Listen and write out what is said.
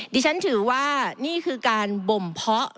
ดิฉันถือว่านี่คือการบ่มเพาะ